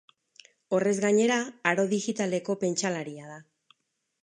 Horrez gainera, aro digitaleko pentsalaria da.